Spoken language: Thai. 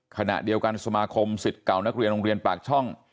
ขณะเดียวกันสมาคมสิทธิ์เก่านักเรียนโรงเรียนปากช่อง